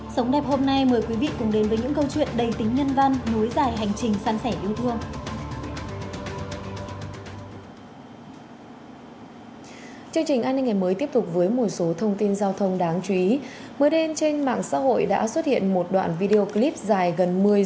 sống đẹp hôm nay mời quý vị cùng đến với những câu chuyện đầy tính nhân văn nối dài hành trình săn sẻ yêu thương